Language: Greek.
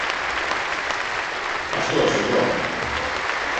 Αυτός, εδώ!